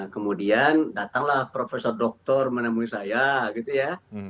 kemudian datanglah profesor dokter menemui saya gitu ya